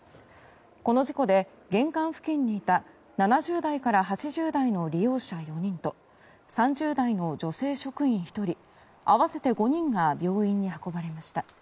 この事故で玄関付近にいた７０代から８０代の利用者４人と３０代の女性職員１人合わせて５人が病院に運ばれました。